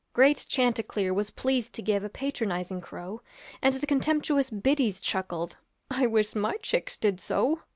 Great chanticleer was pleased to give A patronizing crow, And the contemptuous biddies chuckled, 'I wish my chicks did so.'